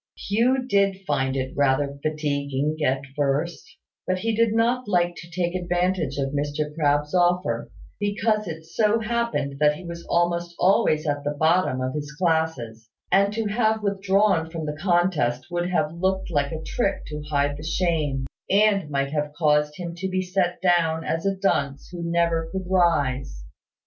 Hugh did find it rather fatiguing at first: but he did not like to take advantage of Mr Crabbe's offer, because it so happened that he was almost always at the bottom of his classes: and to have withdrawn from the contest would have looked like a trick to hide the shame, and might have caused him to be set down as a dunce who never could rise.